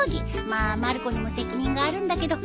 まあまる子にも責任があるんだけど。